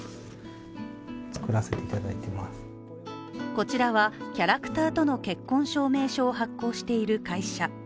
こちらはキャラクターとの結婚証明書を発行している会社。